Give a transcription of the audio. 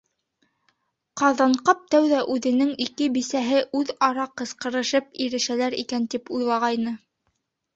Ҡаҙанҡап тәүҙә үҙенең ике бисәһе үҙ-ара ҡысҡырышып ирешәләр икән тип уйлағайны.